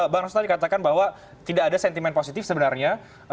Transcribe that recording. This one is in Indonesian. bang rostadi katakan bahwa tidak ada sentimen positif sebenarnya